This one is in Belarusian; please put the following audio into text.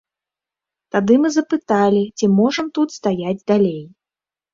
Тады мы запыталі, ці можам тут стаяць далей.